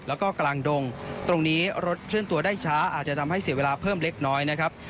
แล้วก็กลางดงตรงนี้รถเคลื่อนตัวได้ช้าอาจจะทำให้เสียเวลาเพิ่มเล็กน้อยนะครับ